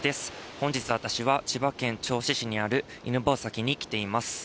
本日、私は千葉県銚子市にある犬吠埼に来ています。